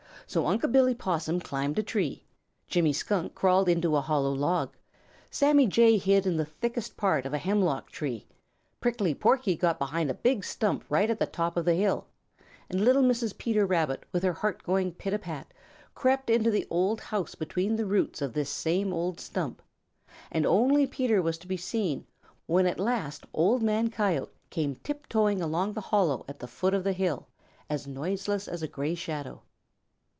So Unc' Billy Possum climbed a tree. Jimmy Skunk crawled into a hollow log. Sammy Jay hid in the thickest part of a hemlock tree. Prickly Porky got behind a big stump right at the top of the hill. Little Mrs. Peter, with her heart going pit a pat, crept into the old house between the roots of this same old stump, and only Peter was to be seen when at last Old Man Coyote came tiptoeing along the hollow at the foot of the hill, as noiseless as a gray shadow.